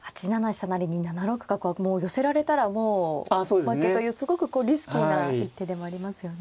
成に７六角は寄せられたらもう負けというすごくリスキーな一手でもありますよね。